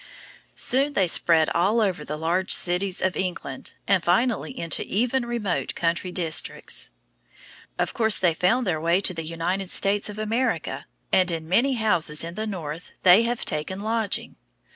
Soon they spread all over the large cities of England and finally into even remote country districts. Of course they found their way to the United States of America, and in many houses in the North they have taken lodging.